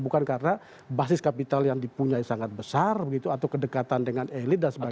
bukan karena basis kapital yang dipunyai sangat besar begitu atau kedekatan dengan elit dan sebagainya